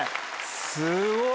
すごい！